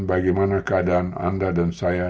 bagaimana keadaan anda dan saya